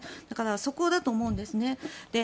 だから、そこだと思うんですね。